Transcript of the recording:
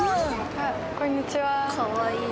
あこんにちは。